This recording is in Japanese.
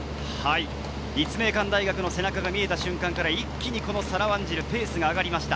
立命館大学の背中が見えた瞬間から一気にサラ・ワンジル、ペースが上がりました。